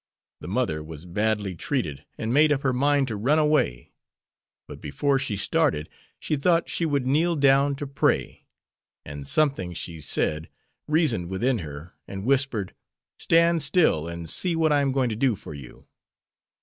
The mother was badly treated, and made up her mind to run away. But before she started she thought she would kneel down to pray. And something, she said, reasoned within her, and whispered, 'Stand still and see what I am going to do for you.'